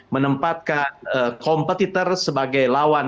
menempatkan kompetitor sebagai lawan